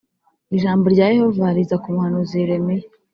ijambo rya yehova riza ku muhanuzi yeremiya